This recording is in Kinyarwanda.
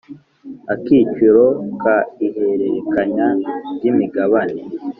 Akiciro ka Ihererekanya ry imigabane